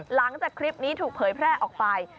หลังจากคลิปนี้ถูกเผยแพร่ออกไป